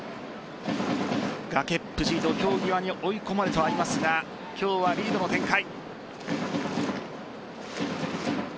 崖っぷち、土俵際に追い込まれてはいますが今日はリードの展開。